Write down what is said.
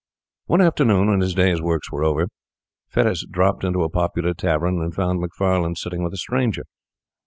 One afternoon, when his day's work was over, Fettes dropped into a popular tavern and found Macfarlane sitting with a stranger.